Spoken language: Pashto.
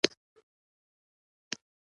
او د نیویارک ښار منتخب ښاروال